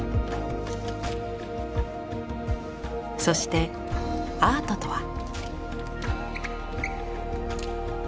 そしてアートとは？